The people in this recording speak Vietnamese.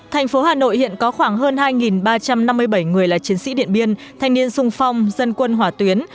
thành phố hà nội hiện có khoảng hơn hai ba trăm năm mươi bảy người là chiến sĩ điện biên thanh niên sung phong dân quân hỏa tuyến